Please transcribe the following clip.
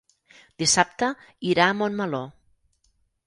Dissabte irà a Montmeló.